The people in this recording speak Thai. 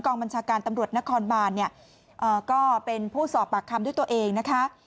บัญชาการตำรวจนครบานเนี่ยก็เป็นผู้สอบปากคำด้วยตัวเองนะคะ